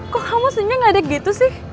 kok kamu senyum ngledek gitu sih